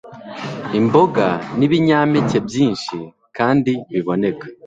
imboga nibinyampeke byinshi kandi biboneka